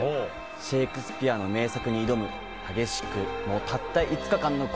シェイクスピアの名作に挑む激しくも、たった５日間の恋。